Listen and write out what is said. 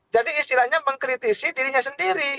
jadi istilahnya mengkritisi dirinya sendiri